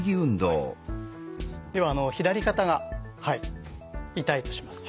では左肩が痛いとします。